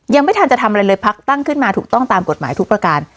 ยังไม่ทันจะทำอะไรเลยพักตั้งขึ้นมาถูกต้องตามกฎหมายทุกประการ